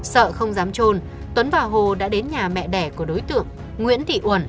sợ không dám trôn tuấn và hồ đã đến nhà mẹ đẻ của đối tượng nguyễn thị uẩn